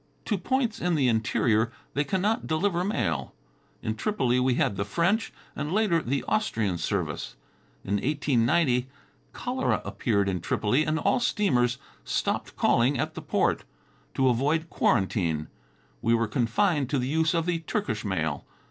To points in the interior they cannot deliver mail. In Tripoli we had the French, and later the Austrian service. In 1890 cholera appeared in Tripoli and all steamers stopped calling at the port, to avoid quarantine. We were confined to the use of the Turkish mail.